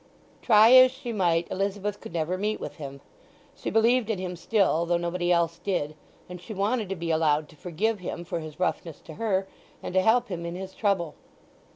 Try as she might, Elizabeth could never meet with him. She believed in him still, though nobody else did; and she wanted to be allowed to forgive him for his roughness to her, and to help him in his trouble.